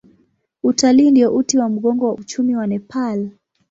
Utalii ndio uti wa mgongo wa uchumi wa Nepal.